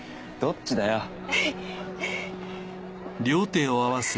どっちだよ。